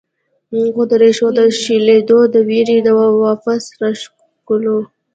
خو د ريښو د شلېدو د وېرې د واپس راښکلو